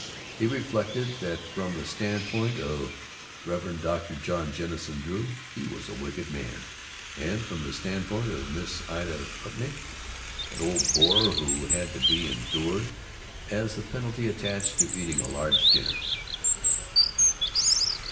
He reflected that from the standpoint of the Rev. Dr. John Jennison Drew he was a wicked man, and from the standpoint of Miss Ida Putiak, an old bore who had to be endured as the penalty attached to eating a large dinner.